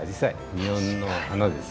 日本の花です。